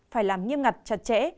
phải làm nghiêm ngặt chặt chẽ